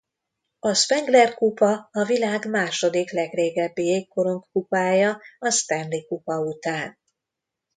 A Spengler-kupa a világ második legrégebbi jégkorong kupája a Stanley-kupa után.